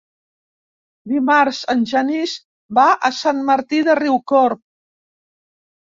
Dimarts en Genís va a Sant Martí de Riucorb.